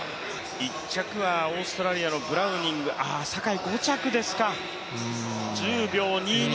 １着はオーストラリアのブラウニング、坂井は５着ですか、１０秒２２。